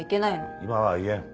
今は言えん。